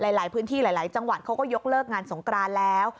หลายพื้นที่หลายจังหวัดเขาก็ยกเลิกงานสงกรานแล้ว